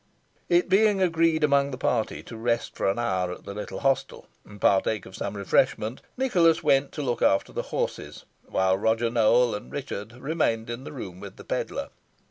It being agreed among the party to rest for an hour at the little hostel, and partake of some refreshment, Nicholas went to look after the horses, while Roger Nowell and Richard remained in the room with the pedlar.